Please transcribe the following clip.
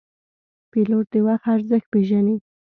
پیلوټ د وخت ارزښت پېژني.